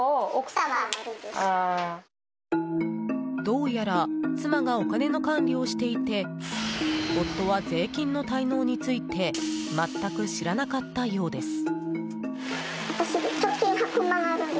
どうやら妻がお金の管理をしていて夫は税金の滞納について全く知らなかったようです。